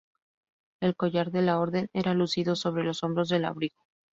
El collar de la Orden era lucido sobre los hombros del abrigo.